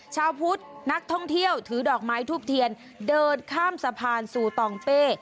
ชาวพุทธนักท่องเที่ยวถือดอกไม้ทูบเทียนเดินข้ามสะพานสู่ตองเป้